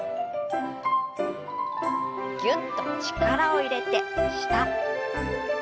ぎゅっと力を入れて下。